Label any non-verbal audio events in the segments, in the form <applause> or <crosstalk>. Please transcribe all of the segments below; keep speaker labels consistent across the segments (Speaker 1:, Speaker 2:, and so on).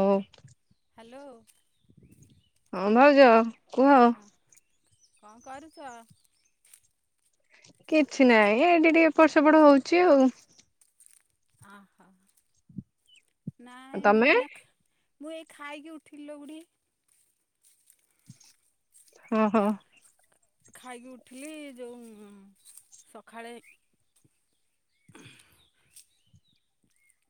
Speaker 1: Hello hello.
Speaker 2: ହଁ ଭାଉଜ। କୁହ
Speaker 1: ହଁ କଣ କରୁଛ?
Speaker 2: କିଛି ନାହିଁ ଏଠି ଟିକେ ଏପଟ ସେପଟ ହଉଛି ଆଉ।
Speaker 1: ଆ ହ ନାଇଁ ମୁଁ
Speaker 2: ତମେ
Speaker 1: ଏଇନା ଖା ମୁଁ ଏଇ ଖାଇକି ଉଠିଲି ଲୋ <unintelligible>
Speaker 2: ହଁ ହଁ।
Speaker 1: ଖାଇକି ଉଠିଲି ଯୋଉ ସକାଳେ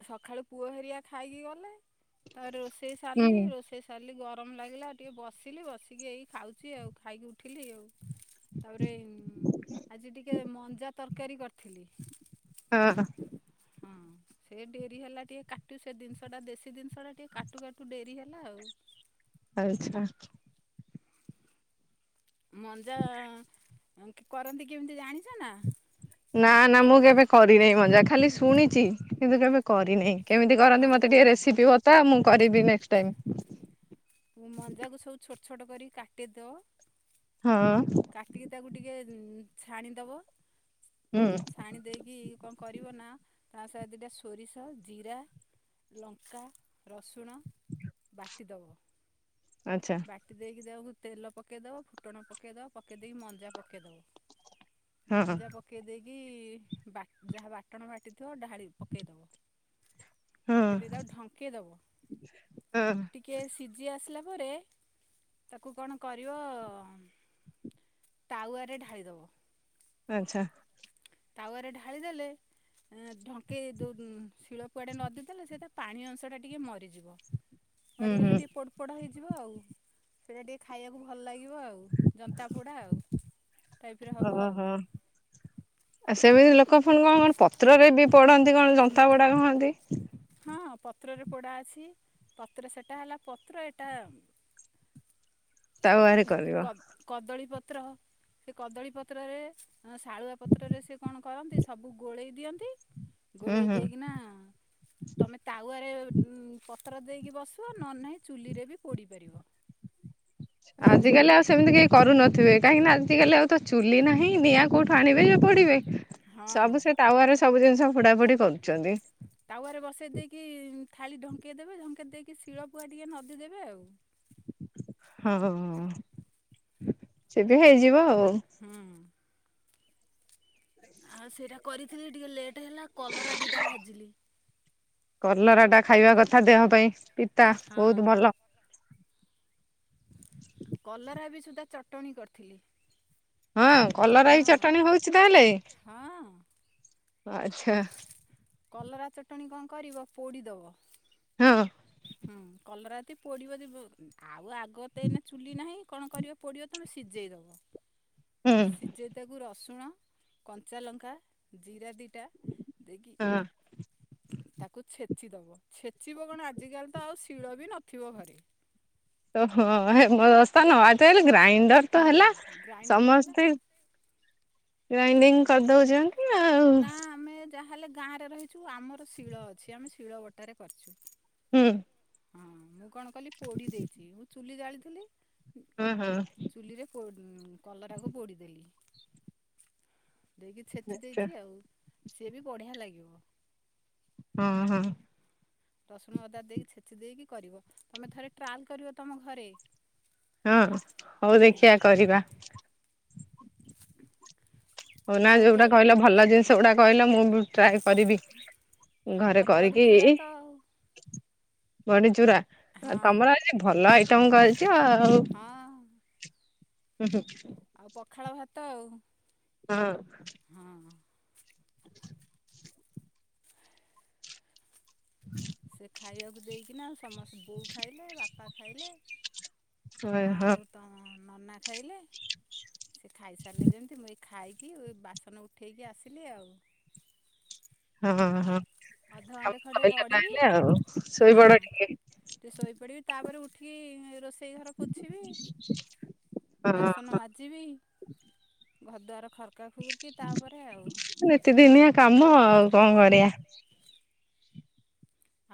Speaker 1: ସକାଳୁ ପୁଅ ହେରିଆ ଖାଇକି ଗଲେ ତାପରେ ରୋଷେଇ
Speaker 2: ହୁଁ
Speaker 1: ସାରିଲି ରୋଷେଇ <unintelligible> ଗରମ ଲାଗିଲା ଟିକେ ବସିଲି ବସିକି ଏଇ ଖାଉଛି ଆଉ ଖାଇକି ଉଠିଲି ଆଉ। ତାପରେ ଆଜି ଟିକେ ମଞ୍ଜା ତରକାରୀ କରିଥିଲି।
Speaker 2: ହଁ।
Speaker 1: ହଁ ସେ ଡେ଼ରି ହେଲା ଟିକେ କାଟୁ ସେ ଜିନିଷ ଟା ଦେଶୀ ଜିନିଷ ଟା ଟିକେ କାଟୁ କାଟୁ ଡ଼େରି ହେଲା ଆଉ।
Speaker 2: ଆଚ୍ଛା।
Speaker 1: ମଞ୍ଜା କରନ୍ତି କେମିତି ଜାଣିଛ ନା?
Speaker 2: ନା ନା ମୁଁ କେବେ କରିନାହିଁ ମଞ୍ଜା ଖାଲି ଶୁଣିଛି କିନ୍ତୁ କେବେ କରିନି। କେମିତି କରନ୍ତି ମୋତେ ଟିକେ ରେସିପି
Speaker 1: ଓହୋ
Speaker 2: ବତା ମୁଁ କରିବି ନେଷ୍ଟ୍ ଟାଇମ୍।
Speaker 1: ମଞ୍ଜାକୁ ସବୁ ଛୋଟ ଛୋଟ କରି କାଟିଦ
Speaker 2: ହଁ।
Speaker 1: କାଟିକି ତାକୁ ଟିକେ ଛାଣିଦବ।
Speaker 2: ହୁଁ।
Speaker 1: ଛାଣି ଦେଇକି କଣ କରିବ ନା ତା ସହିତ ଦୁଇଟା ସୋରିଷ ଜିରା ଲଙ୍କା, ରସୁଣ ବାଟିଦବ।
Speaker 2: ଆଚ୍ଛା।
Speaker 1: ବାଟି ଦେଇକି ଦେହକୁ ତେଲ ପକେଇ ଦେବ ଫୁଟଣ ପକେଇଦବ ପକେଇ ଦେଇକି ମଞ୍ଜା ପକେଇ ଦେବ।
Speaker 2: ହଁ
Speaker 1: ମଞ୍ଜା ପକ ପକେଇ ଦେଇକି ଯାହା ବାଟଣ ବାଟିଥିବ ଢ଼ାଳି ପକେଇଦବ।
Speaker 2: ହଁ
Speaker 1: ପକେଇଦେଇ ତାକୁ ଢଙ୍କେଇ ଦବ
Speaker 2: ହଁ
Speaker 1: ଟିକେ ସିଝି ଆସିଲା ପରେ ତାକୁ କଣ କରିବ ତାୱାରେ ଢା଼ଳିଦବ।
Speaker 2: ଆଚ୍ଛା।
Speaker 1: ତାୱାରେ ଢ଼ାଳି ଦେଲେ ଢଙ୍କେଇ ଯୋଉ ଶିଳ ପୁଆଟେ ନଦୀ ଦେଲେ ସେଇଟା ପାଣି ଅଂଶଟା ଟିକେ ମରିଯିବ
Speaker 2: ହୁଁ ହୁଁ
Speaker 1: ମରିଗଲେ ଟିକେ ପୋ ପୋଡ଼ା ହେଇଯିବ ଆଉ ସେଇଟା ଟିକେ ଖାଇବାକୁ ଭଲ ଲାଗିବ ଆଉ। ଜନ୍ତା ପୋଡ଼ା ଆଉ ଟାଇପ୍ ରେ ହେବ ଆଉ।
Speaker 2: ଆ ସେମିତି ଲୋକ ଫୁଣି କଣ କଣ ପତ୍ରରେ ବି ପୋଡ଼ନ୍ତି କଣ ଜନ୍ତାପୋଡା କହନ୍ତି।
Speaker 1: ହଁ, ହଁ ପତ୍ରରେ ପୋଡ଼ା ଅଛି। ପତ୍ର ସେଟା ହେଲା ପତ୍ର ଏଇଟା
Speaker 2: ତାୱାରେ କରିବ
Speaker 1: କ କଦଳୀ ପତ୍ର। ସେ କଦଳୀପତ୍ରରେ, ଶାଳୁଆ ପତ୍ରରେ ସେ କଣ କରନ୍ତି ସବୁ ଗୋଳେଇ ଦିଅନ୍ତି
Speaker 2: ହୁଁ
Speaker 1: ଗୋଳେଇ
Speaker 2: ହୁଁ
Speaker 1: ଦେଇକିନା ତମେ ତାୱାରେ ଉଁ ପତ୍ର ଦେଇକି ବସିବ ନହେଲେ ନାହିଁ ଚୁଲିରେ ବି ପୋଡ଼ିପାରିବ।
Speaker 2: ଆଜ କାଲି ଆଉ ସେମିତି କେହି କରୁନଥିବେ। କାହିଁକିନା ଆଜିକାଲି ଆଉ ତ ଚୁଲି ନାହିଁ ନିଆଁ କୋଉଠୁ ଆଣିବେ ଯେ ପୋଡିବେ।
Speaker 1: ହଁ
Speaker 2: ସବୁ ସେ ତାୱାରେ ସବୁ ଜିନିଷ ପୋଡା ପୋଡି କରୁଛନ୍ତି।
Speaker 1: ତାୱରେ ବସେଇ ଦେଇକି ଥାଳି ଢଙ୍କେଇ ଦେବେ। ଢଙ୍କେଇ ଦେଇକି ଶିଳ ପୁଆ ଟିକେ ନଦୀ ଦେବେ ଆଉ।
Speaker 2: ହଁ, ହଁ, ହଁ, ହଁ ହଁ ସେ ବି ହେଇଯିବ ଆଉ।
Speaker 1: ହୁଁ। ଆଉ ସେଇଟା କରିଥିଲି ଟିକେ ଲେଟ ହେଲା, କଲରା ଦିଟା ଭାଜିଲି।
Speaker 2: କଲରା ଟା ଖାଇବା କଥା ଦେହ ପାଇଁ ପିତା,
Speaker 1: ହଁ
Speaker 2: ବହୁତ ଭଲ।
Speaker 1: କଲରା ବି ସୁଦ୍ଧା ଚଟଣି କରିଥିଲି।
Speaker 2: ହଁ, କଲରା ବି ଚଟଣି ହଉଛି ତାହେଲେ?
Speaker 1: ହଁ, ହଁ।
Speaker 2: ଆଚ୍ଛା!
Speaker 1: କଲରା ଚଟଣି କଣ କରିବ ପୋଡ଼ିଦବ।
Speaker 2: ହଁ।
Speaker 1: ହୁଁ, କଲରା ଏତେ ପୋଡ଼ିବ ଯେ ବ୍ ଆଉ ଆଗତେ ଏଇନା ଚୁଲି ନାହିଁ କଣ କରିବ ପୋଡ଼ିବ ତୁମେ ସିଝେଇଦବ।
Speaker 2: ହୁଁ
Speaker 1: ସିଝେଇ ତାକୁ ରସୁଣ, କଞ୍ଚାଲଙ୍କା ଜିରା ଦିଟା, ଦେଇକି
Speaker 2: ହଁ।
Speaker 1: ତାକୁ ଛେଚିଦବ ଛେଚିବ କଣ ଆଜିକାଲି ତ ଆଉ ଶିଳ ବି ନଥିବ ଘରେ। <inaudible>
Speaker 2: ଓହୋ! ହେମଦସ୍ତା ନୁହଁ। ଆଜିକାଲି ଗ୍ରାଇଣ୍ଡର ତ
Speaker 1: ହୁଁ
Speaker 2: ହେଲା
Speaker 1: ଗ୍ରାଇଣ୍ଡର ହେଲା।
Speaker 2: ସମସ୍ତେ ଗ୍ରାଇଣ୍ଡିଙ୍ଗ କରିଦଉଛନ୍ତି। ଆଉ
Speaker 1: ନା ଆମେ ଯାହାହେଲେ ଗାଁରେ ରହିଛୁ। ଆମର ଶିଳ ଅଛି, ଆମେ ଶିଳ ବଟାରେ କରିଛୁ।
Speaker 2: ହୁଁ।
Speaker 1: ହଁ, ମୁଁ କଣ କଲି ପୋଡ଼ି ଦେଇଥିଲି। ମୁଁ ଚୁଲି ଜାଳିଥିଲି।
Speaker 2: ହୁଁ, ହୁଁ।
Speaker 1: ଚୁଲିରେ ପୋ କଲରାକୁ ପୋଡ଼ିଦେଲି। ଦେଇକି ଛେଚି ଦେଇଛି।
Speaker 2: ନିଶ୍ଚୟ
Speaker 1: ହୁଁ, ସିଏ ବି ବଢିଆ ଲାଗିବ।
Speaker 2: ହଁ, ହଁ।
Speaker 1: ରସୁଣ ଅଦା ଦେଇକି ଛେଚି ଦେଇକି କରିବ। ତମେ ଥରେ ଟ୍ରାଏଲ୍ କରିବ ତମ ଘରେ।
Speaker 2: ହଁ, ହଉ
Speaker 1: ହୁଁ
Speaker 2: ଦେଖିବା କରିବା।
Speaker 1: <unintelligible>
Speaker 2: ହଉ ନା
Speaker 1: ଆଉ କୋ
Speaker 2: ଯୋଉଗୁଟା କହିଲ ଭଲ ଜିନିଷ ଗୁଡା କହିଲ। ମୁଁ ବି ଟ୍ରାଏ କରିବି। ଘରେ
Speaker 1: ଆଉ ବଢ଼ି
Speaker 2: କରିକି
Speaker 1: ଚୁରା ତ
Speaker 2: ଵଡି ଚୁରା। ଆ
Speaker 1: ହଁ
Speaker 2: ତମର ଆଜି ଭଲ ଆଇଟମ କରିଛ ଆଉ।
Speaker 1: ହଁ
Speaker 2: ହୁଁ ହୁଁ।
Speaker 1: ଆଉ ପଖାଳ ଭାତ ଆଉ।
Speaker 2: ହଁ।
Speaker 1: ହଁ ହଁ।
Speaker 2: <inaudible> <inaudible>
Speaker 1: ସେ ଖାଇବାକୁ ଦେଇକିନା ସମସ୍ତେ ବୋଉ ଖାଇଲେ ବାପା ଖାଇଲେ।
Speaker 2: ହଁ
Speaker 1: ଆଉ ତ ମ ନନା ଖାଇଲେ। ସେ ଖାଇସାରିଲେ ଯେମିତି ମୁଁ ଏଇ ଖାଇକି ବାସନ ଉଠେଇକି ଆସିଲି ଆଉ।
Speaker 2: ହଁ
Speaker 1: ଆଉ ଅଧଘଣ୍ଟେ ଖଣ୍ଡେ ଗଡିବି।
Speaker 2: ହଉ ଶୋଇପଡ ଟିକେ।
Speaker 1: ଟିକେ ଶୋଇପଡ଼ିବି ତାପରେ ଉଠିକି ରୋଷ ସେଇ ଘର ପୋଛିବି
Speaker 2: ହଁ
Speaker 1: ବାସନ
Speaker 2: ହଁ
Speaker 1: ମାଜିବି। ଘରଦୁଆର ଖର କାଫୁକୁ କି ତାପରେଆଉ,
Speaker 2: ନିତିଦିନିଆ କାମ ଆଉ କଣ
Speaker 1: ହଁ
Speaker 2: କରିବା
Speaker 1: <inaudible>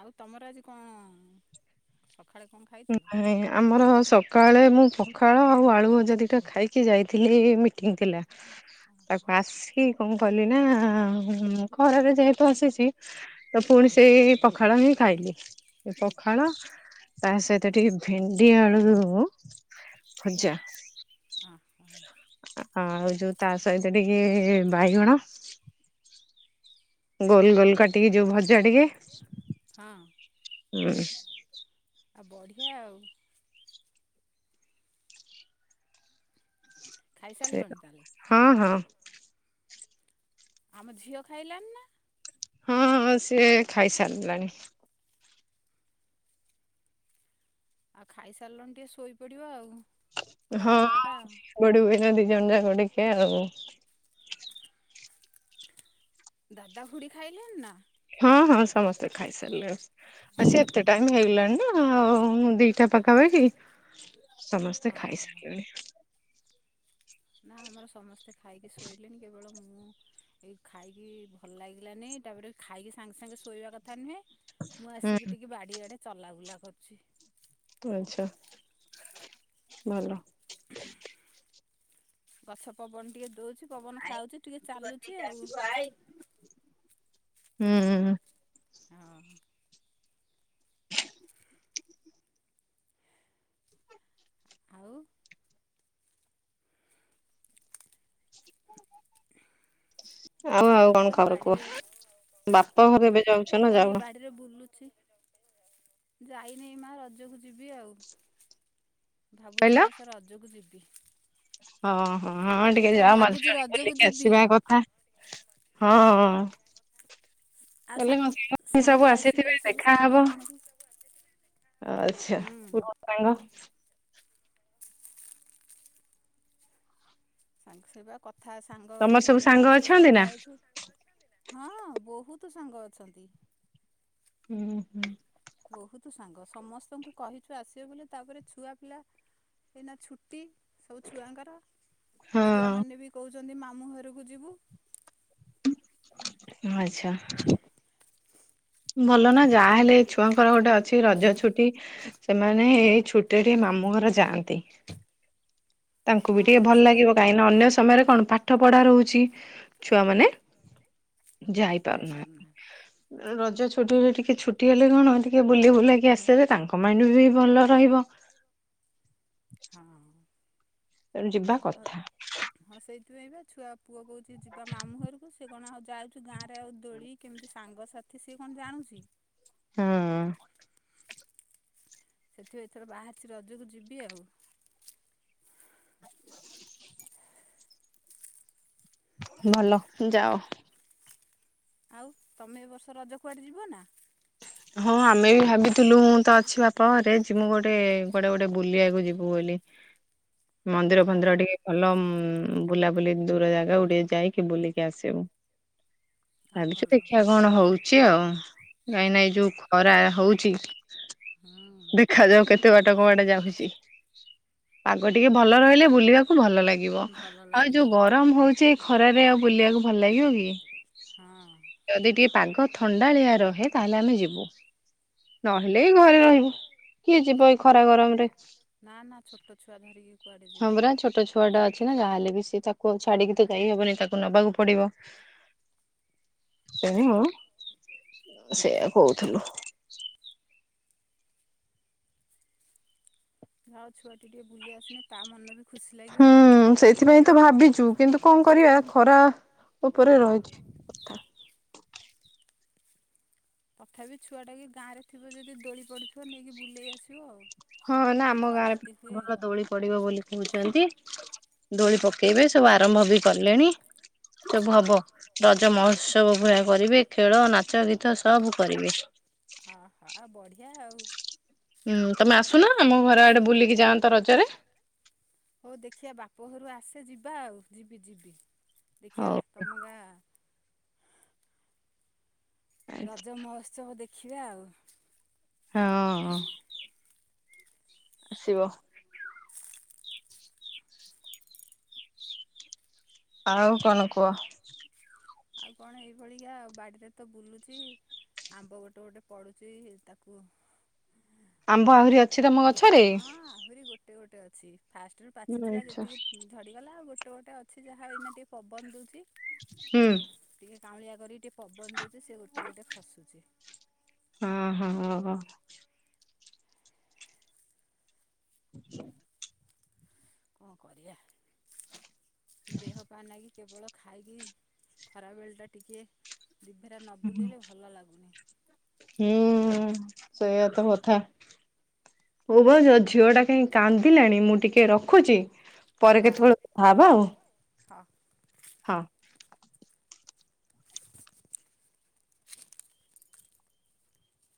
Speaker 1: ଆଉ ତମର ଆଜି କଣ? ସକାଳେ କଣ ଖାଇଥିଲ?
Speaker 2: ହଁ <inaudible> ଆମର ସକାଳେ ମୁଁ ପଖାଳ ଆଉ ଆଳୁ ଭଜା ଦିଟା ଖାଇକି ଯାଇଥିଲି ମିଟିଙ୍ଗ ଥିଲା।
Speaker 1: ଓହୋ
Speaker 2: ତାକୁ ଆସିି କଣ କଲି ନା ଖରାରେ ଯାଇ ପହଂଚିଛି। ତ ପୁଣି ସେଇ ପଖାଳ ହିଁ ଖାଇଲି। ପଖାଳ ତା ସହିତ ଟିକେ ଭେଣ୍ଡି ଆଳୁ ଭଜା।
Speaker 1: ହଁ
Speaker 2: ଆଉ ଯୋଉ ତା ସହିତ ଟିକେ ବାଇଗଣ ଗୋଲ ଗୋଲ କାଟିକି ଯୋଉ ଭଜା ଟିକେ।
Speaker 1: ହଁ।
Speaker 2: ହୁଁ <inaudible>
Speaker 1: ଆଉ ବଢିଆ ଆଉ।
Speaker 2: ସେ
Speaker 1: ଖାଇସାରିଲଣି ତାହଲେ।
Speaker 2: ହଁ ହଁ।
Speaker 1: ଆମ ଝିଅ ଖାଇଲାଣି ନା?
Speaker 2: ହଁ ଆଁ ସିଏ ଖାଇସାରିଲାଣି।
Speaker 1: ଆଉ ଖାଇସାରିଲଣି ଟିକେ ଶୋଇପଡିବ ଆଉ।
Speaker 2: ହଁ
Speaker 1: ଖରାବେଳଟା ଆଉ
Speaker 2: ସୋଇପଡିବୁ ଏଇନା ଦି ଜଣ ଯାକ ଟିକେ ଆଉ।
Speaker 1: ଦାଦା ଖୁଡି ଖାଇଲେଣି ନା?
Speaker 2: ହଁ ହଁ ସମସ୍ତେ ଖାଇସାରିଲେ ଆଉ ସେ ଏତେ ଟାଇମ ହେଇଗଲାଣି ନା ଆଉ ମୁଁ ଦି ଦିଟା ପାଖା ପାଖି ସମସ୍ତେ
Speaker 1: ଓହୋ
Speaker 2: ଖାଇସାରିଲେଣି।
Speaker 1: ନାଁ ଆମର ସମସ୍ତେ ଖାଇକି ଶୋଇଲେଣି କେବଳ ମୁଁ ଏଇ ଖାଇକି ଭଲ ଲାଗିଲାନି ତାପରେ ଖାଇକି ସାଙ୍ଗେ ସାଙ୍ଗେ ଶୋଇବା କଥା ନୁହେଁ। ମୁଁ
Speaker 2: ହୁଁ
Speaker 1: ଆସିକି ଟିକେ ବାଡିଆଡେ ଚଲା ବୁଲା କରୁଚି।
Speaker 2: ଆଚ୍ଛା, ଭଲ।
Speaker 1: <inaudible> ଗଛ ପବନ ଟିକେ ଦଉଚି ପବନ ଖାଉଚି ଟିକେ ଚାଲୁଚି ଆଉ।
Speaker 2: ହୁଁ।
Speaker 1: ହଁ। ଆଉ।
Speaker 2: ଆଉ ଆଉ କଣ
Speaker 1: ଏଇପା
Speaker 2: ଖବର
Speaker 1: ବାଡ଼ିରେ
Speaker 2: କୁହ ବାପା ଘର ଏବେ ଯାଉଚ ନା ଯାନ।
Speaker 1: ରେ ବୁଲୁଚି। ଯାଇନେଇ ମା ରଜକୁ ଯିବି ଆଉ। ଭାବୁଛି ଏବର୍ଷ ରଜକୁ ଯିବି।
Speaker 2: ଓହୋ ହଁ ଟିକେ
Speaker 1: ଏଥର
Speaker 2: ଯାଅ
Speaker 1: ଭାବୁଛି
Speaker 2: ମଝିରେ
Speaker 1: ରଜକୁ
Speaker 2: ବୁଲିକି
Speaker 1: ଯିବି
Speaker 2: ଆସିବା କଥା। ହଁ।
Speaker 1: ଆଉ ସା
Speaker 2: ହେଲେ କଣ <unintelligible>
Speaker 1: ସାଙ୍ଗ
Speaker 2: ସବୁ
Speaker 1: ଆସିବେ
Speaker 2: ଆସିଥିବେ
Speaker 1: ସବୁ
Speaker 2: ଦେଖାହବ।
Speaker 1: ସାଙ୍ଗମାନଙ୍କୁ
Speaker 2: ଆଛା
Speaker 1: ହୁଁ
Speaker 2: <unintelligible>
Speaker 1: ସାଙ୍ଗ ସେ ବା କଥା ସାଙ୍ଗ
Speaker 2: ତମର
Speaker 1: ମାନେ
Speaker 2: ସାଙ୍ଗ
Speaker 1: ସାଙ୍ଗରେ ସବୁ
Speaker 2: ଅଛନ୍ତି ନା?
Speaker 1: କଥା ହେଇଛୁ। ହଁ ବହୁତ ସାଙ୍ଗ ଅଛନ୍ତି।
Speaker 2: ହୁଁ ହୁଁ।
Speaker 1: ବହୁତ ସାଙ୍ଗ ସମସ୍ତଙ୍କୁ କହିଛୁ ଆସିବେ ବୋଲି ତାପରେ ଛୁଆ ପିଲା ଏଇନା ଛୁଟି ସବୁ ଛୁଆଙ୍କର
Speaker 2: ହଁ
Speaker 1: ଛୁଆମାନେ ବି କହୁଛନ୍ତି ମାମୁଁ ଘରକୁ ଯିବୁ।
Speaker 2: ଆଚ୍ଛା। ଭଲ ନା ଯାହାହଲେ ଏଇ ଛୁଆଙ୍କର ଗୋଟେ ଅଛି ରଜ ଛୁଟି। ସେମାନେ ଏଇ ଛୁଟିରେ ଟିକେ ମାମୁଁ ଘର ଯାଆନ୍ତି। ତାଙ୍କୁ ବି ଟିକେ
Speaker 1: ହଁ
Speaker 2: ଭଲ
Speaker 1: ଛୁଆ
Speaker 2: ଲାଗିବ କାହିଁକି ଅନ୍ୟ ସମୟରେ କଣ ପାଠ ପଢା ରହୁଛି ଛୁଆ ମାନେ ଯାଇପାରୁ
Speaker 1: ଯାଇପାରୁନାହାନ୍ତି
Speaker 2: ନାହାନ୍ତି। ରଜ ଛୁଟିରେ ଟିକେ ଛୁଟି ହେଲେ କଣ ଟିକେ ବୁଲି ବୁଲାକି ଆସିଲେ ତାଙ୍କ ମାଇଣ୍ଡ ବି ଭଲ ରହିବ।
Speaker 1: ହଁ।
Speaker 2: ତେଣୁ ଯିବା କଥା।
Speaker 1: ହଁ ସେଇଥିପାଇଁ ବା ଛୁଆ ପୁଅ କହୁଛି ଯିବା ମାମୁଁ ଘରକୁ ସେ କଣ ଆଉ ଯାଉଛୁ ଗାଁ ରେ ଆଉ ଦୋଳି କେମିତି ସାଙ୍ଗସାଥି ସିଏ କଣ ଜାଣୁଛି।
Speaker 2: ହୁଁ।
Speaker 1: ସେଥିପ ଏଥର ବାହାରିଛି ରଜକୁ ଯିବି ଆଉ।
Speaker 2: ଭଲ ଯାଅ।
Speaker 1: ଆଉ ତମେ ଏ ବର୍ଷ ରଜ କୁଆଡ଼େ ଯିବ ନା।
Speaker 2: ହଁ ଆମେ ବି ଭାବିଥିଲୁ ମୁଁ ତ ଅଛି ବାପଘରେ ଯିମୁଁ ଗୋଟେ କୁଆଡେ ଗୋଟେ ବୁଲିବାକୁ ଯିବୁ ବୋଲି।
Speaker 1: <unintelligible>
Speaker 2: ମନ୍ଦିର
Speaker 1: ନା
Speaker 2: ଫନ୍ଦିର ଟିକେ ଭଲ ବୁଲାବୁଲି ଦୂର ଜାଗାକୁ ଟିକେ ଯାଇକି ବୁଲିକି ଆସିବୁ।
Speaker 1: ଆଉ
Speaker 2: ଭାବିଚି
Speaker 1: ଭଲ
Speaker 2: ଦେଖିବା କଣ ହଉଛି ଆଉ ନାଇ ନାଇ ଯୋଉ ଖରା ହଉଛି।
Speaker 1: ଦେଖା ଯାଉ କେତେ ବାଟ କୁଆଡେ ଯାଉଚି।
Speaker 2: ପାଗ ଟିକେ ଭଲ ରହିଲେ ବୁଲିବାକୁ ଭଲ ଲାଗିବ।
Speaker 1: ହୁଁ। ଭଲ
Speaker 2: ଆଉ
Speaker 1: ଲାଗିବ
Speaker 2: ଯୋଉ ଗରମ ହଉଛି ଖରାରେ ଆଉ ବୁଲିବାକୁ ଭଲ ଲାଗିବ କି।
Speaker 1: ହଁ।
Speaker 2: ଯଦି ଟିକେ ପାଗ ଥଣ୍ଡାଳିଆ ରହେ ତାହେଲେ ଆମେ ଯିବୁ। ନହେଲେ ଏଇ ଘରେ ରହିବୁ କିଏ ଯିବ ଏଇ ଖରା ଗରମରେ।
Speaker 1: ନା ନା ଛୋଟ ଫୋଟ ଛୁଆ ଧରିକି କୁଆଡ଼େ ଯିବ।
Speaker 2: ଛୁଆ ଟା ଅଛି ନା ଯାହାେଲେ ବି ସେ ତାକୁ ଛାଡିକି ତ ଯାଇହବନି ତାକୁ ନବାକୁ ପଡିବ। ତଣ ସେୟା କହୁଥିଲୁ।
Speaker 1: ଯା ହଉ ଛୁଆ ଟି ଟିକେ ବୁଲି ଆସଲେ ତା ମନ ବି ଖୁସି ଲାଗିବ
Speaker 2: ହୁଁ ସେଥିପାଇଁ ତ ଭାବିଛୁ କିନ୍ତୁ କଣ କରିବା ଖରା ଉପରେ ରହିଛି।
Speaker 1: ତଥାପି ଛୁଆଟା କି ଗାଁରେ ଥିବ ଯଦି ଦୋଳି ପଡ଼ିଥିବ ନେଇକି ବୁଲେଇ ଆସିବ ଆଉ।
Speaker 2: ହଁ ନା ଆମ ଗାଁରେ
Speaker 1: ଖରାତି ହୁଏ
Speaker 2: ଭଲ ଦୋଳି ପଡିବ ବୋଲି କହୁଛନ୍ତି। ଦୋଳି ପକେଇବେ ସବୁ ଆରମ୍ଭ ବି କଲେଣି ସବୁ
Speaker 1: ଅ
Speaker 2: ହବ। ରଜ ମହୋତ୍ସବ ଭଳିଆ କରିବେ ଖେଳ ନାଚ ଗୀତ ସବୁ କରିବେ
Speaker 1: ହହୋ ଆଉ ବଢିଆ ଆଉ
Speaker 2: ହୁଁ ତମେ ଆସୁନ ଆମ ଘର ଆଆଡ଼େ ବୁଲିକି ଯାଆନ୍ତ ରଜରେ
Speaker 1: ହଉ ଦେଖିବା ବାପ ଘରୁ ଆସେ ଯିବା ଆଉ ଯିବି ଯିବି ଦେଖିବା
Speaker 2: ହଉ
Speaker 1: ତମ ଗାଁ ରଜ ମହୋତ୍ସବ ଦେଖିବା ଆଉ
Speaker 2: ହଁ ଆସିବ ଆଉ କଣ କୁହ
Speaker 1: ଆଉ କଣ ଏଇ ଭଳିିକା ବାଡିରେ ତ ବୁଲୁଛି ଆମ୍ବ ଗୋଟେ ଗୋଟେ ପଡୁଛି ତାକୁ
Speaker 2: ଆମ୍ବ ଆହୁରି ଅଛି ତମ ଗଛରେ
Speaker 1: ହଁ ଆହୁରି ଗୋଟେ ଗୋଟେ ଅଛି ଫାଷ୍ଟରୁ ପାଚିଥିଲା
Speaker 2: ଆଚ୍ଛା
Speaker 1: ଯେତିକି ଝଡିଗଲା ଆଉ ଗୋଟେ ଗୋଟେ ଅଛି ଯାହା ଏଇନା ଟିକେ ପବନ ଦଉଛି
Speaker 2: ହୁଁ
Speaker 1: ଟିକେ କାଉଁଳିଆ କରିକି ଟିକେ ପବନ ଦେଉଛି ସେ ଗୋଟେ ଗୋଟେ ଖସୁଛି
Speaker 2: ହଁ ହଁ <unintelligible>
Speaker 1: କଣ କରିବା ଦେହ ପାଁ ଲାଗି କେବଳ ଖାଇକି ଖରାବେଳଟା ଟିକିଏ ଦିଭେରା ନ ବୁଲିଲେ ଭଲ ଲାଗୁନି
Speaker 2: ହୁଁ ସେଇୟା ତ କଥା ହ ବଛ ଝିଅ ଟା କାହିଁ କାନ୍ଦିଲାଣି ମୁଁ ଟିକେ ରଖୁଛି ପରେ
Speaker 1: ହଁ
Speaker 2: କେତେବେଳେ କଥା ହେବା ଆଉ
Speaker 1: ହଁ
Speaker 2: ହଁ